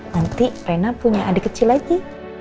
nanti rena punya adik kecil lagi